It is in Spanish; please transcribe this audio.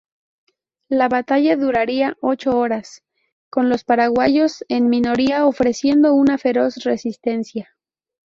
La batalla duraría ocho horas, con los paraguayos, en minoría, ofreciendo una feroz resistencia.